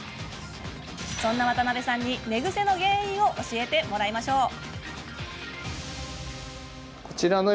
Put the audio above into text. そんな渡邊さんに寝ぐせの原因を教えてもらいましょう。